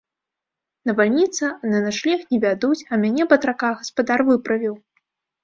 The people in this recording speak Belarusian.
Навальніца, на начлег не вядуць, а мяне, батрака, гаспадар выправіў.